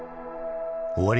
「終わり